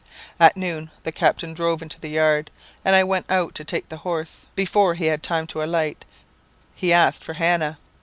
"At noon the captain drove into the yard, and I went out to take the horse. Before he had time to alight, he asked for Hannah.